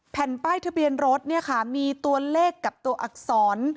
แผ่นป้ายทะเบียนรถเนี่ยค่ะมีตัวเลขกับตัวอักษร